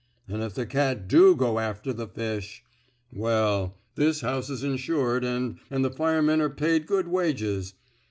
An' if the cat do go after the fish — well, this house's insured an' the fire men 're paid good wages.